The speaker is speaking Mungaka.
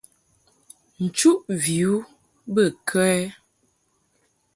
Nchuʼ vi u bə kə ɛ ?